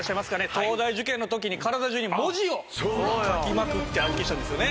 東大受験の時に体中に文字を書きまくって暗記したんですよね。